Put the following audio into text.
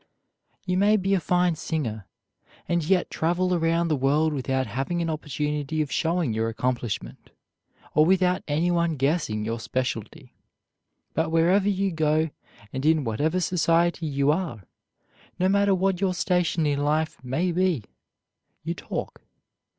You may be a fine singer, and yet travel around the world without having an opportunity of showing your accomplishment, or without anyone guessing your specialty. But wherever you go and in whatever society you are, no matter what your station in life may be, you talk.